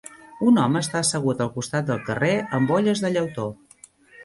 Un home està assegut al costat del carrer amb olles de llautó.